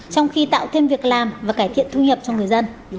trong khi tạo thêm việc làm và cải thiện thu nhập cho người dân